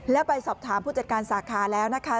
แล้วไปสอบถามผู้จัดการสาขาแล้วนะคะ